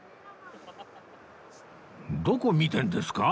どこ見てるんですか？